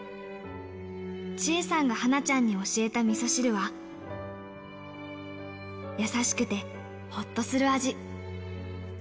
千恵さんがはなちゃんに教えたみそ汁は、優しくて、ほっとする味。